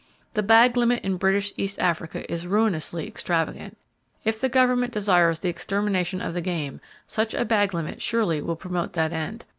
The bag limit in British East Africa is ruinously extravagant. If the government desires the extermination of the game, such a bag limit surely will promote that end.